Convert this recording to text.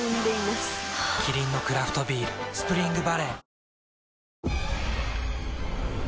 キリンのクラフトビール「スプリングバレー」